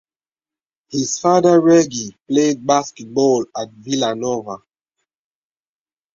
His father Reggie played basketball at Villanova.